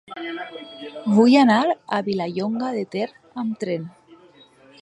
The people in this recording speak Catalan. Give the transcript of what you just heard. Vull anar a Vilallonga de Ter amb tren.